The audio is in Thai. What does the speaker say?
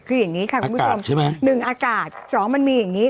คืออย่างงี้ค่ะคุณผู้ชมอากาศใช่ไหมหนึ่งอากาศสองมันมีอย่างงี้